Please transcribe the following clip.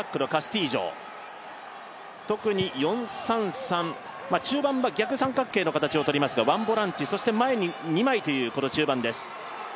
得に４−３−３、中盤は逆三角形の形を取りますがワンボランチ、そして前に２枚という中盤です。